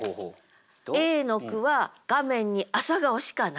Ａの句は画面に「朝顔」しかない。